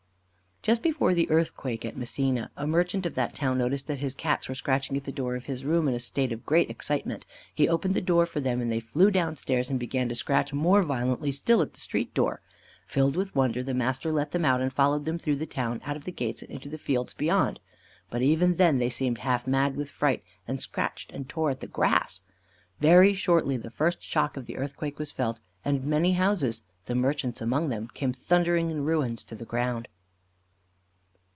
Just before the earthquake at Messina, a merchant of that town noticed that his Cats were scratching at the door of his room, in a state of great excitement. He opened the door for them, and they flew down stairs and began to scratch more violently still at the street door. Filled with wonder, the master let them out and followed them through the town out of the gates, and into the fields beyond, but, even then, they seemed half mad with fright, and scratched and tore at the grass. Very shortly the first shock of the earthquake was felt, and many houses (the merchant's among them) came thundering in ruins to the ground.